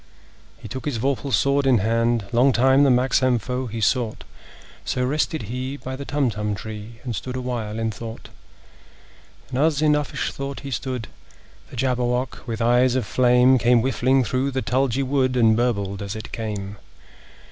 He took his vorpal sword in hand: Long time the manxome foe he sought— So rested he by the Tumtum tree, And stood awhile in thought. And as in uffish thought he stood, The Jabberwock, with eyes of flame, Came whiffling through the tulgey wood, And burbled as it came!